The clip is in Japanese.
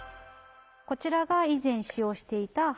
こちらが以前使用していた。